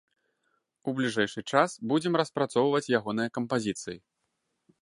У бліжэйшы час будзем распрацоўваць ягоныя кампазіцыі.